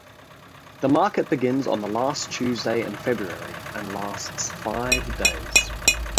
The market begins on the last Tuesday in February and lasts five days.